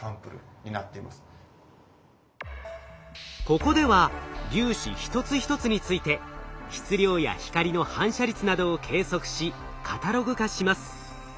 ここでは粒子一つ一つについて質量や光の反射率などを計測しカタログ化します。